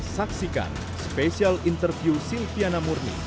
saksikan spesial interview silviana murni